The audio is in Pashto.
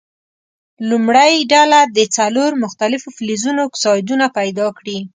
لومړۍ ډله دې څلور مختلفو فلزونو اکسایدونه پیداکړي.